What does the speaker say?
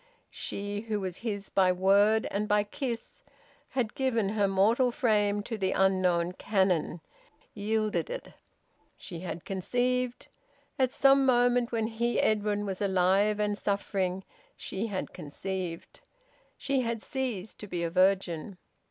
She who was his by word and by kiss, had given her mortal frame to the unknown Cannon yielded it. She had conceived. At some moment when he, Edwin, was alive and suffering, she had conceived. She had ceased to be a virgin.